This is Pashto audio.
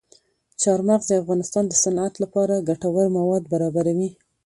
چار مغز د افغانستان د صنعت لپاره ګټور مواد برابروي.